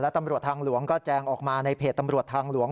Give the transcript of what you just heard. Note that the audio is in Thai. ตำรวจทางหลวงก็แจงออกมาในเพจตำรวจทางหลวง